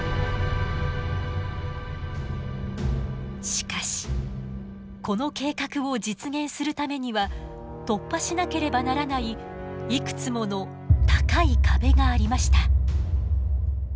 しかしこの計画を実現するためには突破しなければならないいくつもの高い壁がありました。